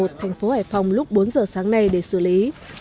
thành phố hải phòng lúc bốn giờ sáng nay để xử lý